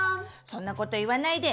そんなこと言わないで！